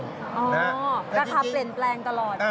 ราคาเปลี่ยนแปลงตลอด